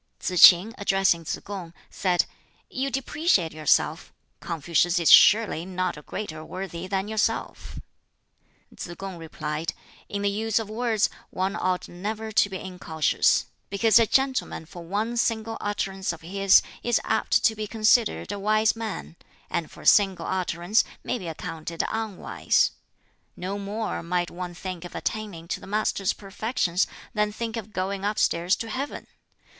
Tsz k'in, addressing Tsz kung, said, "You depreciate yourself. Confucius is surely not a greater worthy than yourself." Tsz kung replied, "In the use of words one ought never to be incautious; because a gentleman for one single utterance of his is apt to be considered a wise man, and for a single utterance may be accounted unwise. No more might one think of attaining to the Master's perfections than think of going upstairs to Heaven!